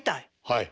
はい。